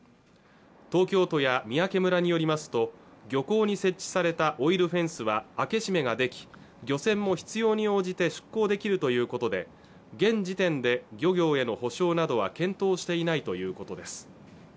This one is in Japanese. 東京都や三宅村によりますと漁港に設置されたオイルフェンスは開け閉めができ漁船も必要に応じて出航できるということで現時点で漁業への補償などは検討していないということです